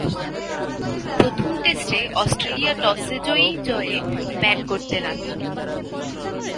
প্রথম টেস্টে অস্ট্রেলিয়া টসে জয়ী জয়ে ব্যাট করতে নামে।